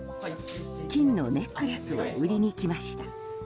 金のネックレスを売りにきました。